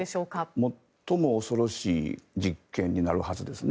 最も恐ろしい実験になるはずですね。